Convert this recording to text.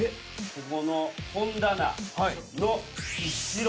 ここの本棚の後ろ。